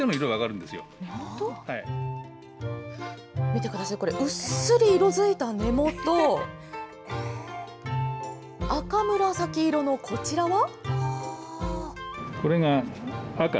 見てください、これ、うっすら色づいた根元、赤紫色のこちらは。